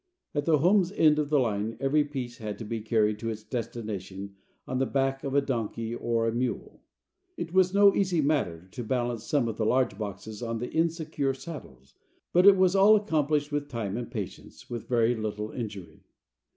At the Homs end of the line every piece had to be carried to its destination on the back of a donkey or a mule. It was no easy matter to balance some of the large boxes on the insecure saddles, but it was all accomplished with time and patience, with very little injury.